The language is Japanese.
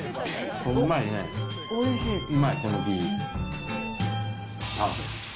おいしい。